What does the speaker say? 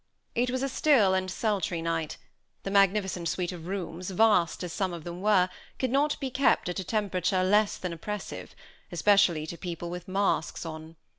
It was a still and sultry night; the magnificent suite of rooms, vast as some of them were, could not be kept at a temperature less than oppressive, especially to people with masks on.